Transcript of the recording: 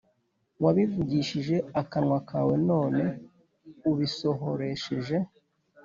Wabivugishije akanwa kawe none ubisohoresheje